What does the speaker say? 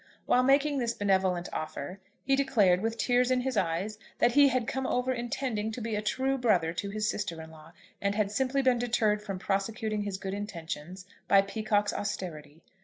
While making this benevolent offer, he declared, with tears in his eyes, that he had come over intending to be a true brother to his sister in law, and had simply been deterred from prosecuting his good intentions by Peacocke's austerity.